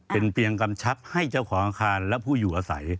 เป็นเตียงกำชับให้เจ้าของอาคารและผู้อยู่อาศัย